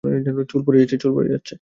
চুল পড়ে যাচ্ছে!